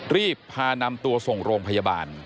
รีบพานำตัวส่งโรงพยาบาล